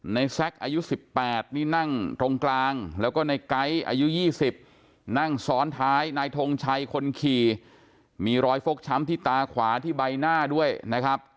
แซคอายุ๑๘นี่นั่งตรงกลางแล้วก็ในไก๊อายุ๒๐นั่งซ้อนท้ายนายทงชัยคนขี่มีรอยฟกช้ำที่ตาขวาที่ใบหน้าด้วยนะครับ